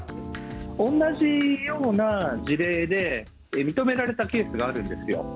同じような事例で、認められたケースがあるんですよ。